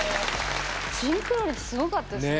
シンクロ率すごかったですね。